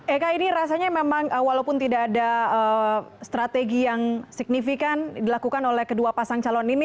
eka ini rasanya memang walaupun tidak ada strategi yang signifikan dilakukan oleh kedua pasang calon ini